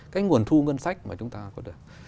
cái nguồn thu ngân sách mà chúng ta có được